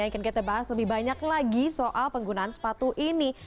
akan kita bahas lebih banyak lagi soal penggunaan sepatu ini